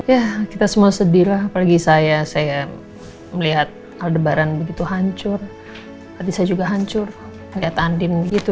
ya kita semua sedih lah apalagi saya saya melihat aldebaran begitu hancur tadi saya juga hancur melihat andin begitu